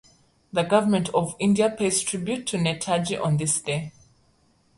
The Government of India pays tribute to Netaji on this day.